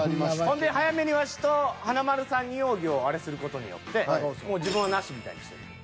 ほんで早めにワシと華丸さんに容疑をあれする事によって自分はなしみたいにしてる。